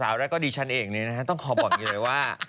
สาวและก็ดีฉันเองต้องขอบอกใหม่เลยว่า